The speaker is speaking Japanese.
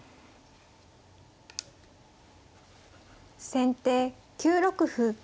先手９六歩。